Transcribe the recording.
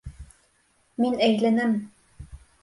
Мин әйләнәм!